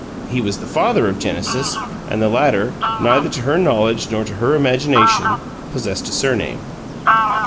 He was the father of Genesis, and the latter, neither to her knowledge nor to her imagination, possessed a surname.